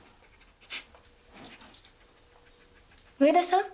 上田さん？